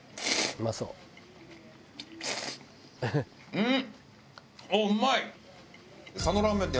うん！